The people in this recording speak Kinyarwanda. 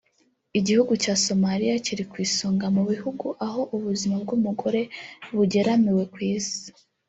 Igihugu cya Somalia kiri ku isonga mu bihugu aho ubuzima bw’umugore bugeramiwe ku isi